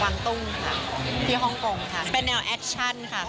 ตุ้งค่ะที่ฮ่องกงค่ะเป็นแนวแอคชั่นค่ะ